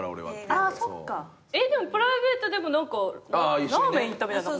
でもプライベートでもラーメン行ったみたいな。